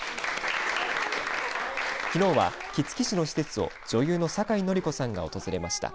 きのうは杵築市の施設を女優の酒井法子さんが訪れました。